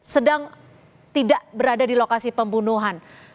sedang tidak berada di lokasi pembunuhan